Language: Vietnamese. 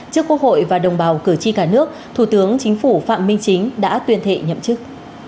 trước quốc hội và đồng bào cử tri cả nước thủ tướng chính phủ phạm minh chính đã tuyên thệ nhậm chức